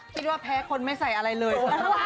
ว่าแพ้คนไม่ใส่อะไรเลย